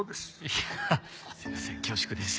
いやすいません恐縮です。